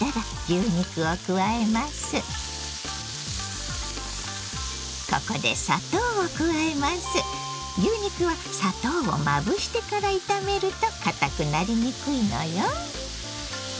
牛肉は砂糖をまぶしてから炒めるとかたくなりにくいのよ。